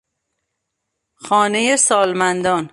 خانهی سالمندان